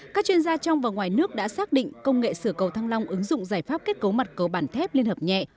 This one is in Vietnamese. các chuyên gia trong và ngoài nước đã xác định công nghệ sửa cầu thăng long ứng dụng giải pháp kết cấu mặt cầu bản thép liên hợp nhẹ